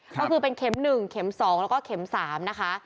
ก็คือเป็นเข็ม๑เข็ม๒แล้วก็เข็ม๓นะคะ